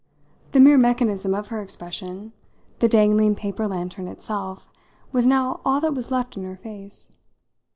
The mere mechanism of her expression, the dangling paper lantern itself, was now all that was left in her face.